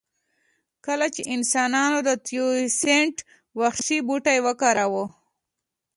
کله چې انسانانو د تیوسینټ وحشي بوټی وکاراوه